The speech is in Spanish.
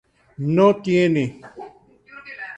No tiene